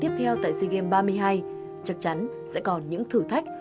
trong những ngày tranh tài tiếp theo tại sea games ba mươi hai chắc chắn sẽ còn những thử thách